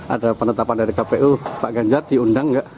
ada penetapan dari kpu pak ganjar diundang nggak